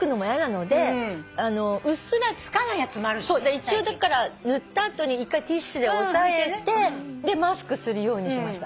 一応だから塗った後に一回ティッシュで押さえてマスクするようにしました。